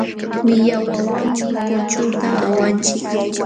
Millwawanmi punchuta awanchik.